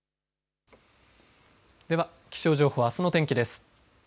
では、気象情報あすの天気です。